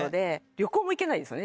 旅行も行けないですよね